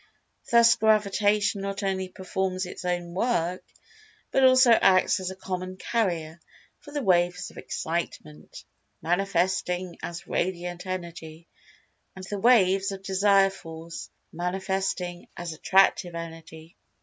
Thus Gravitation not only performs its own work, but also acts as a "common carrier" for the "waves of Excitement," manifesting as Radiant Energy; and the waves of Desire Force, manifesting as Attractive Energy.